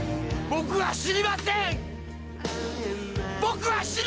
「僕は死にません！」